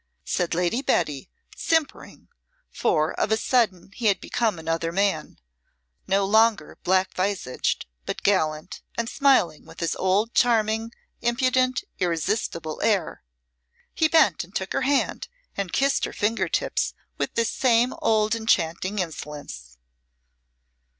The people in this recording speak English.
said Lady Betty, simpering, for of a sudden he had become another man no longer black visaged, but gallant, and smiling with his old charming, impudent, irresistible air. He bent and took her hand and kissed her finger tips with this same old enchanting insolence.